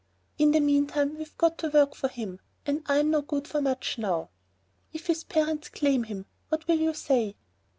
"In the meantime we've got to work for him, and I'm no good for much now." "If his parents claim him, what will you say?"